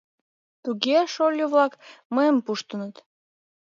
— Туге, шольо-влак, мыйым пуштыныт...